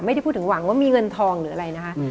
ไม่ได้พูดถึงหวังว่ามีเงินทองหรืออะไรนะคะ